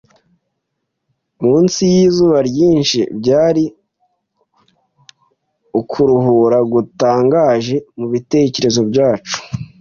munsi yizuba ryinshi, byari ukuruhura gutangaje mubitekerezo byacu.